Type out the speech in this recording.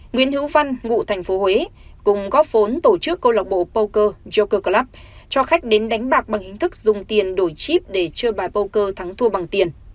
nguyễn hữu văn ngụ thành phố huế cùng góp vốn tổ chức câu lạc bộ poker yoker club cho khách đến đánh bạc bằng hình thức dùng tiền đổi chip để chơi bài poker thắng thua bằng tiền